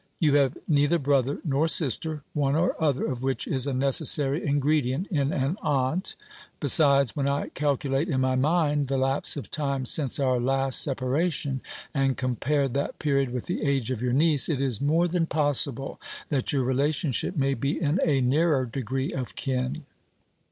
You have neither brother nor sister, one or other of which is a necessary ingredient in an aunt. Besides, when I calculate in my mind the lapse of time since our last separation, and compare that period with the age of your niece, it is more than possible that your relationship may be in a nearer degree of kin.